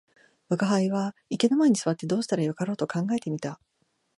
吾輩は池の前に坐ってどうしたらよかろうと考えて見た